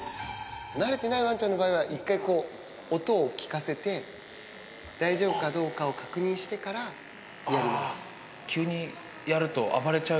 慣れてないわんちゃんの場合は、一回こう、音を聞かせて、大丈夫かどうかを確認してからや急にやると、暴れちゃう。